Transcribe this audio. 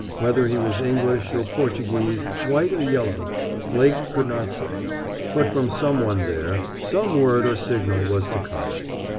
Whether he was English or Portuguese, white or yellow, Blake could not say. But from some one there some word or signal was to come.